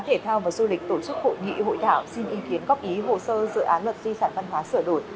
hệ thống du lịch tổ chức hội nghị hội đảo xin ý kiến góp ý hồ sơ dự án luật di sản văn hóa sửa đổi